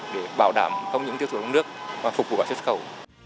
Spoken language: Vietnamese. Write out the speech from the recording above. để bảo đảm không những tiêu chuẩn nước mà phục vụ các xuất khẩu